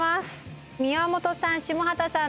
宮本さん下畑さん